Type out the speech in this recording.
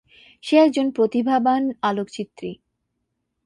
সে একজন প্রতিভাবান আলোকচিত্রী।